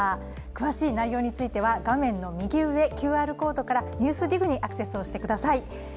詳しい内容については画面の右上、ＱＲコードから「ＮＥＷＳＤＩＧ」にアクセスをしてください。